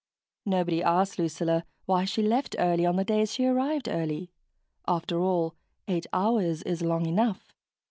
Nobody asked Lucilla why she left early on the days she arrived early after all, eight hours is long enough.